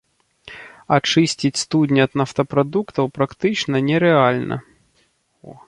Ачысціць студні ад нафтапрадуктаў практычна нерэальна.